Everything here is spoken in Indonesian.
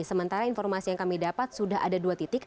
sementara informasi yang kami dapat sudah ada dua titik